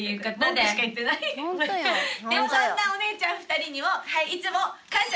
でもそんなお姉ちゃん２人にも。